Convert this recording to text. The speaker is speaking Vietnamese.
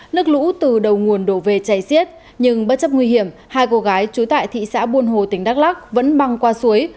người chạy xiết nhưng bất chấp nguy hiểm hai cô gái trú tại thị xã buôn hồ tỉnh đắk lắc vẫn băng qua suối